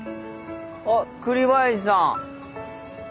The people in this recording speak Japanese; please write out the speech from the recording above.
あっ栗林さん。